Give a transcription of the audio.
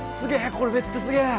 これめっちゃすげ！